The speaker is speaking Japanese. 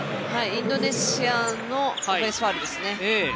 インドネシアのオフェンスファウルですね。